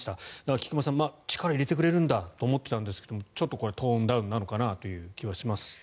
菊間さん力を入れてくれるんだと思っていたんですがちょっとトーンダウンなのかなという気はします。